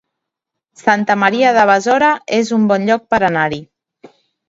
Santa Maria de Besora es un bon lloc per anar-hi